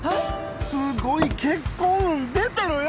すごい結婚運出てるよ。